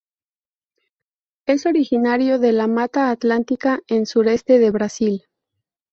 Es originario de la mata atlántica en sureste de Brasil.